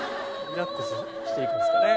リラックスしていくんですかね。